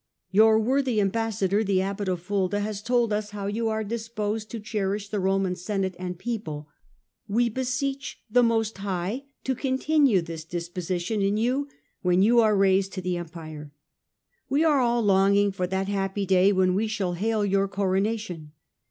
Your worthy ambassador, the Abbot of Fulda, has told us how you are disposed to cherish the Roman Senate and people ; we beseech the Most High to continue this disposition in you, when you are raised to the Empire. We are all long ing for that happy day when we shall hail your Corona tion.